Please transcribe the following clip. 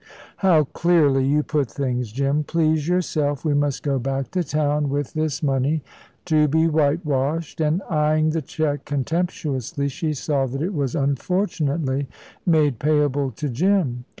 "How clearly you put things, Jim. Please yourself. We must go back to town with this money, to be whitewashed"; and eyeing the cheque contemptuously, she saw that it was unfortunately made payable to Jim.